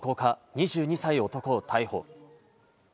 ２２歳男を逮捕。